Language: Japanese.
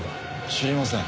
知りません。